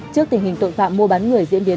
trước tình hình tội phạm mua bán người diễn biến